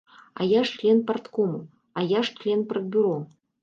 А я ж член парткому, а я ж член партбюро.